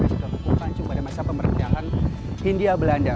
dan juga hukum hancur pada masa pemberantian hindia belanda